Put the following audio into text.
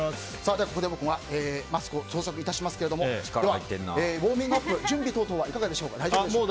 ここで僕がマスクを装着しますがウォーミングアップ準備等々は大丈夫でしょうか。